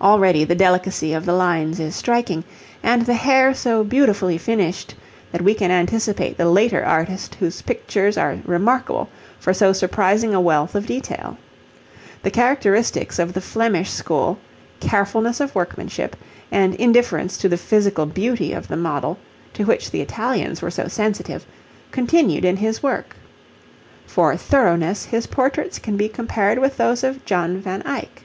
Already the delicacy of the lines is striking, and the hair so beautifully finished that we can anticipate the later artist whose pictures are remarkable for so surprising a wealth of detail. The characteristics of the Flemish School, carefulness of workmanship and indifference to the physical beauty of the model, to which the Italians were so sensitive, continued in his work. For thoroughness his portraits can be compared with those of John van Eyck.